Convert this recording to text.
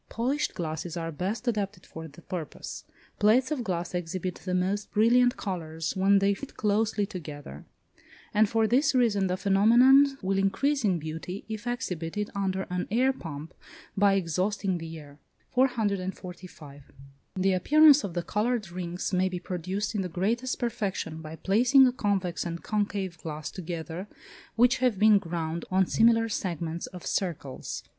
Polished glasses are best adapted for the purpose. Plates of glass exhibit the most brilliant colours when they fit closely together, and for this reason the phenomenon will increase in beauty if exhibited under an air pump, by exhausting the air. 445. The appearance of the coloured rings may be produced in the greatest perfection by placing a convex and concave glass together which have been ground on similar segments of circles.